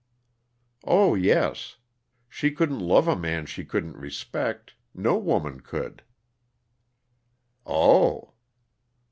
"Oh, yes. She couldn't love a man she couldn't respect no woman could." "Oh!"